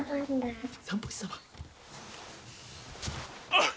「あっ！